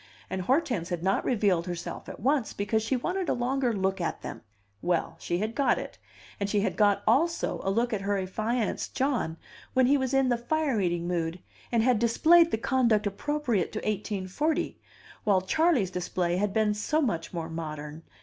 And Hortense had not revealed herself at once, because she wanted a longer look at them. Well, she had got it, and she had got also a look at her affianced John when he was in the fire eating mood, and had displayed the conduct appropriate to 1840, while Charley's display had been so much more modern.